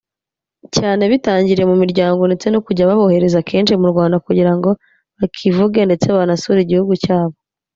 cyane bitangiriye mu miryango ndetse no kujya babohereza kenshi mu Rwanda kugira ngo bakivuge ndetse banasure igihugu cyabo